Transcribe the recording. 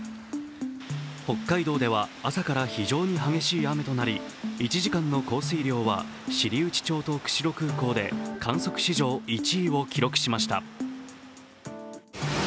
北海道では朝から非常に激しい雨となり１時間の降水量は、知内町と釧路空港で観測史上１位を記録しました。